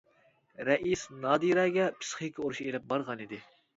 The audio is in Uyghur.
رەئىس نادىرەگە پىسخىكا ئۇرۇشى ئېلىپ بارغانىدى.